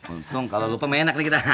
untung kalo lupa menek nih kita